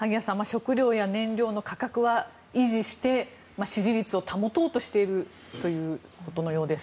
食料や燃料の価格は維持して支持率を保とうとしているということのようです。